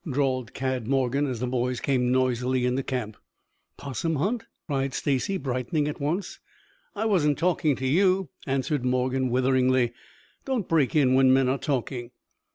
drawled Cad Morgan as the boys came noisily into camp. "'Possum hunt?" cried Stacy, brightening at once. "I wasn't talking to you," answered Morgan witheringly. "Don't break in when men are talking."